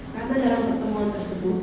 karena dalam pertemuan tersebut